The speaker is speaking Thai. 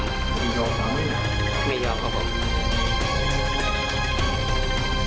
ไม่ยอมครับไม่ยอมครับผม